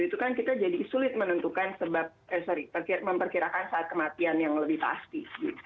itu kan kita jadi sulit menentukan sebab eh sorry memperkirakan saat kematian yang lebih pasti